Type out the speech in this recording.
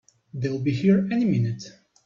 They'll be here any minute!